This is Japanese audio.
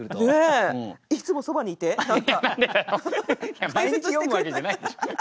いや毎日読むわけじゃないでしょ。